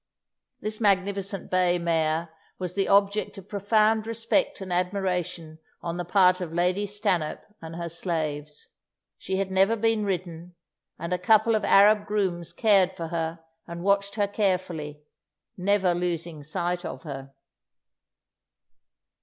This magnificent bay mare was the object of profound respect and admiration on the part of Lady Stanhope and her slaves; she had never been ridden, and a couple of Arab grooms cared for her and watched her carefully, never losing sight of her.